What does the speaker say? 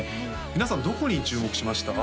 皆さんどこに注目しました？